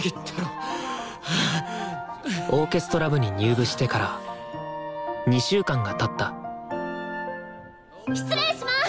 オーケストラ部に入部してから２週間がたった失礼します！